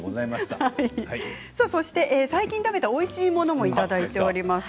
最近食べたおいしいものもいただいております。